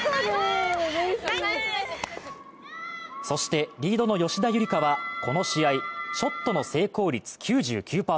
そして、リードの吉田夕梨花はこの試合、ショットの成功率９９％。